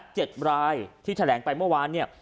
เจ็ดรายที่แถลงไปเมื่อวาน